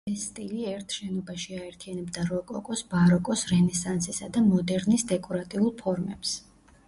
ეს სტილი ერთ შენობაში აერთიანებდა როკოკოს, ბაროკოს, რენესანსისა და მოდერნის დეკორატიულ ფორმებს.